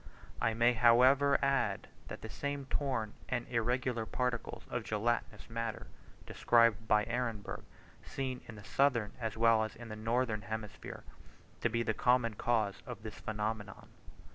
I may however add, that the same torn and irregular particles of gelatinous matter, described by Ehrenberg, seem in the southern as well as in the northern hemisphere, to be the common cause of this phenomenon.